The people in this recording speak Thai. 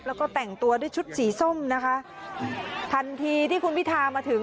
แล้วก็แต่งตัวด้วยชุดสีส้มนะคะทันทีที่คุณพิธามาถึง